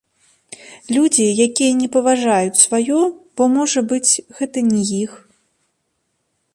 Людзі, якія не паважаюць сваё, бо, можа быць, гэта не іх.